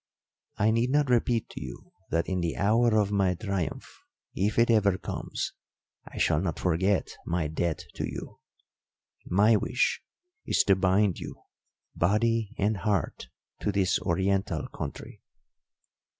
I need not repeat to you that in the hour of my triumph, if it ever comes, I shall not forget my debt to you; my wish is to bind you, body and heart, to this Oriental country.